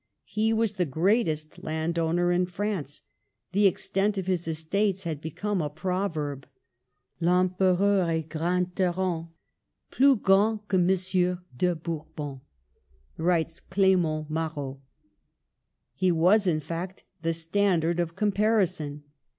He was the greatest landowner in France ; the extent of his estates had become a proverb. CONSTABLE BOURBON. 69 " L'Empereur est grand terrein, Plus grand que Monsieur de Bourbon," writes Clement Marot. He was, in fact, the standard of comparison.